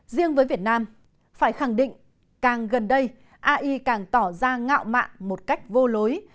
riêng với việt nam phải khẳng định càng gần đây ai càng tỏ ra ngạo mạng một cách vô lối